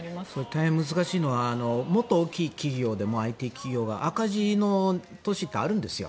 大変難しいのはもっと大きい企業でもＩＴ企業が赤字の年ってあるんですよ